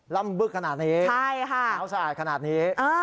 ่ำบึกขนาดนี้ใช่ค่ะหนาวสะอาดขนาดนี้